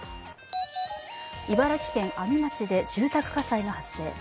茨城県阿見町で住宅火災が発生。